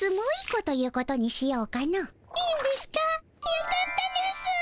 よかったですぅ。